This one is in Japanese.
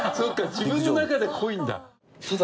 自分の中で濃いんだ。